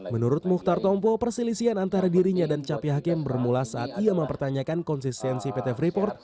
menurut muhtar tompo perselisian antara dirinya dan capi hakim bermula saat ia mempertanyakan konsistensi pt freeport